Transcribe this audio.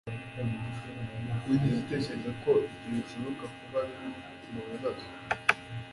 Wigeze utekereza ko ibyo bishobora kuba bimwe mubibazo?